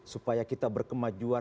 supaya kita berkemajuan